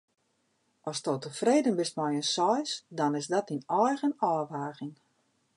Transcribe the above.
Asto tefreden bist mei in seis, dan is dat dyn eigen ôfwaging.